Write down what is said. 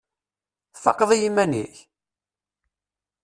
Tfaqeḍ i yiman-ik?